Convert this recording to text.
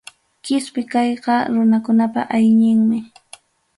Qispi kayqa runakunapa hayñinmi.